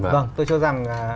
vâng tôi cho rằng